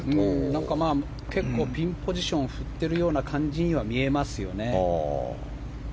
結構、ピンポジション振っているような感じには見えますよね。